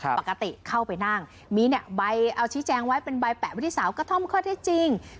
ปกติเข้าไปนั่งมีเนี่ยใบเอาชี้แจงไว้เป็นใบแปะไว้ที่สาวกระท่อมข้อเท็จจริง